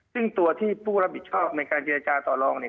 ซึ่งตัวที่ผู้รับผิดชอบในการเจรจาต่อลองเนี่ย